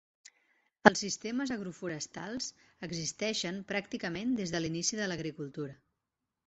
Els sistemes agroforestals existeixen pràcticament des de l'inici de l'agricultura.